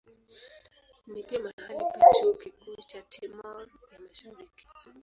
Ni pia mahali pa chuo kikuu cha Timor ya Mashariki.